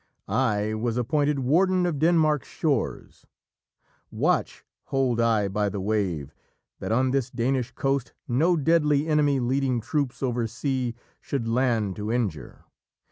I was appointed Warden of Denmark's shores; watch hold I by the wave That on this Danish coast no deadly enemy Leading troops over sea should land to injure.